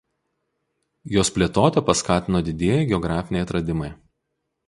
Jos plėtotę paskatino didieji geografiniai atradimai.